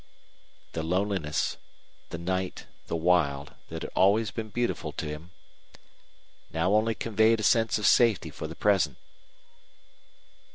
The loneliness, the night, the wild, that had always been beautiful to him, now only conveyed a sense of safety for the present.